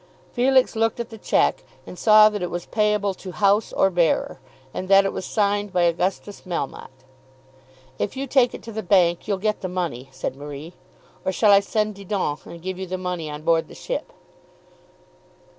Felix looked at the cheque and saw that it was payable to House or Bearer, and that it was signed by Augustus Melmotte. "If you take it to the bank you'll get the money," said Marie. "Or shall I send Didon, and give you the money on board the ship?"